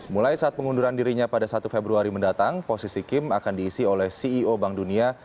mulai saat pengunduran dirinya pada satu februari mendatang posisi kim akan diisi oleh ceo bank dunia